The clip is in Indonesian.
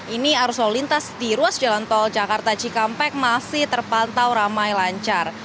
ini arus lalu lintas di ruas jalan tol jakarta cikampek masih terpantau ramai lancar